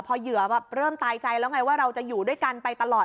พอเหยื่อแบบเริ่มตายใจแล้วไงว่าเราจะอยู่ด้วยกันไปตลอด